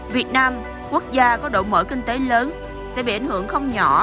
việt nam quốc gia có độ mở kinh tế lớn sẽ bị ảnh hưởng không nhỏ